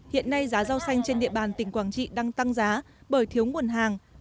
hiện nay giá rau xanh trên địa bàn tỉnh quảng trị đang tăng giá bởi thiếu nguồn hàng